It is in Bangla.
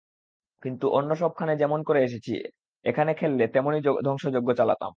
কিন্তু অন্য সবখানে যেমন করে এসেছি, এখানে খেললে তেমনই ধ্বংসযজ্ঞ চালাতাম।